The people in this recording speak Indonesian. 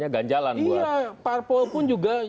ganjalan ya parpol pun juga